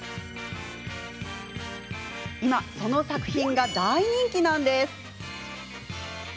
今、その作品が大人気なんです。